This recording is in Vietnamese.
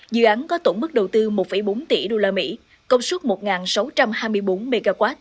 dự án có tổng mức đầu tư một bốn tỷ usd công suất một sáu trăm hai mươi bốn mw